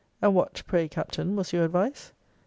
And what, pray, Captain, was your advice?